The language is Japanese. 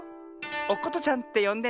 おことちゃんってよんでね。